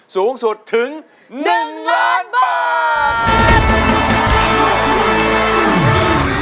สูงสุดถึง๑ล้านบาท